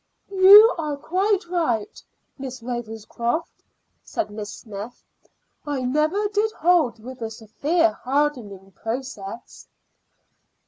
"You are quite right. Miss Ravenscroft," said Miss Smyth. "I never did hold with the severe hardening process."